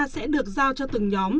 sẽ được giao cho từng nhóm